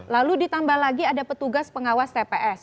lalu ditambah lagi ada petugas pengawas tps